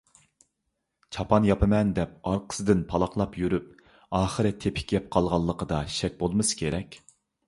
«چاپان ياپىمەن» دەپ ئارقىسىدىن پالاقلاپ يۈرۈپ، ئاخىر «تېپىك يەپ قالغان»لىقىدا شەك بولمىسا كېرەك.